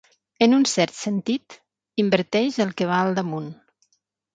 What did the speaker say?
En un cert sentit, inverteix el que va al damunt.